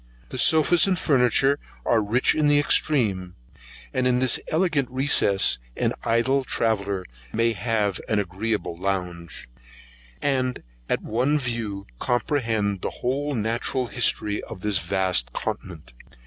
The sofas and furniture are rich in the extreme: and in this elegant recess, an idle traveller may have an agreeable lounge, and at one view comprehend the whole natural history of this vast continent.